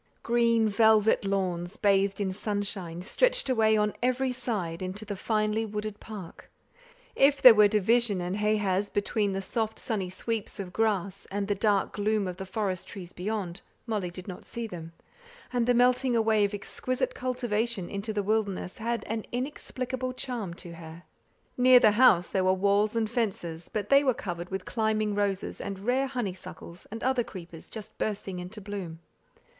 Green velvet lawns, bathed in sunshine, stretched away on every side into the finely wooded park; if there were divisions and ha has between the soft sunny sweeps of grass, and the dark gloom of the forest trees beyond, Molly did not see them; and the melting away of exquisite cultivation into the wilderness had an inexplicable charm to her. Near the house there were walls and fences; but they were covered with climbing roses, and rare honeysuckles and other creepers just bursting into bloom.